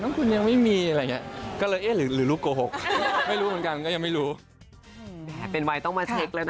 น้องคุณยังไม่มีอะไรอย่างนี้